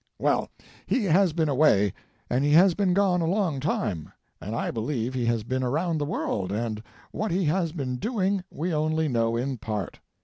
] "Well, he has been away, and he has been gone a long time, and I believe he has been around the world, and what he has been doing we only know in part.